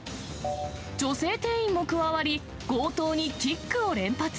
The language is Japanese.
女性店員も加わり、強盗にキックを連発。